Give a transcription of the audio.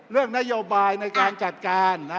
เรื่องนโยบายในการจัดการ